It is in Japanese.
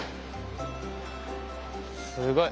すごい。